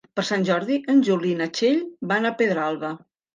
Per Sant Jordi en Juli i na Txell van a Pedralba.